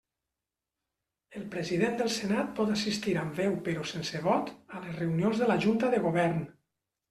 El president del Senat pot assistir amb veu però sense vot a les reunions de la Junta de Govern.